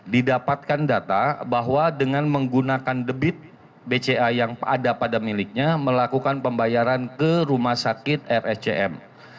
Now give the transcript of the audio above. didapatkan data bahwa dengan menggunakan debit bca yang ada pada miliknya melakukan pembayaran ke rumah sakit rscm